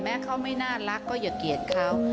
เขาไม่น่ารักก็อย่าเกลียดเขา